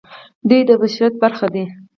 دوی د بشریت برخه دي.